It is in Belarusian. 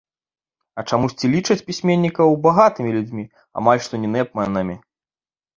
А чамусьці лічаць пісьменнікаў багатымі людзьмі, амаль што не нэпманамі.